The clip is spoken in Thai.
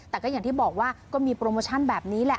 แต่ก็อย่างที่บอกว่าก็มีโปรโมชั่นแบบนี้แหละ